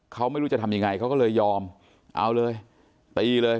เขาไม่รู้จะทำยังไงเขาก็เลยยอมเอาเลยตีเลย